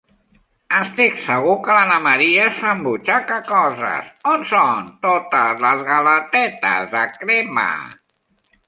Estic segur que l'Anna Maria s'embutxaca coses. On són totes les galetetes de crema?